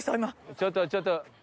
ちょっとちょっと。